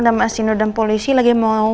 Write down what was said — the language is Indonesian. dan mas sino dan polisi lagi mau